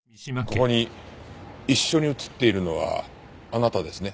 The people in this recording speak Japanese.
ここに一緒に写っているのはあなたですね？